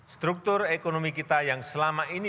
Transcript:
struktur ekonomi kita yang selama ini